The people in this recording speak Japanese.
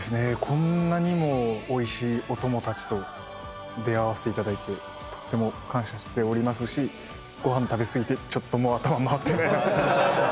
こんなにもおいしいおともたちと出合わせていただいてとっても感謝しておりますしご飯食べ過ぎてちょっともう頭回ってない。